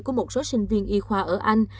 của một số sinh viên y khoa ở anh